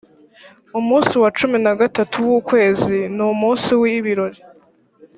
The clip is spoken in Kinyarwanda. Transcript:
umunsi wa cumi na gatanu w’uko kwezi, ni umunsi w’ibirori.